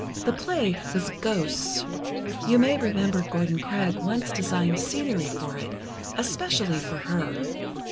The play was 'Ghosts.' You may remember Gordon Craig once designed scenery for it, especially for her.